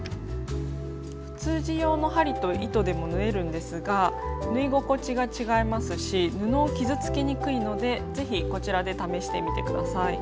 普通地用の針と糸でも縫えるんですが縫い心地が違いますし布を傷つけにくいので是非こちらで試してみて下さい。